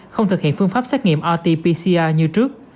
không thực hiện phương pháp xét nghiệm rt pcr như trước